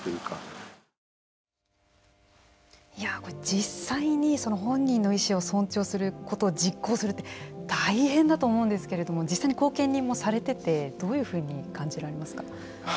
実際に本人の意思を尊重することを実行するって大変だと思うんですけれども実際に後見人もされててどういうふうに感じられますか。